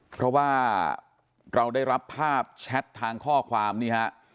เพราะว่าเราได้รับภาพแชททางข้อความนี่ฮะ